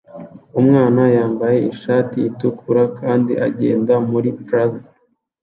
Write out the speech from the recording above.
Umwana yambaye ishati itukura kandi agenda muri plaza